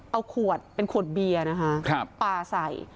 เอาขวดเป็นขวดเบียร์นะคะปลาใส่